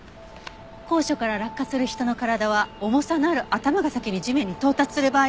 高所から落下する人の体は重さのある頭が先に地面に到達する場合が多い。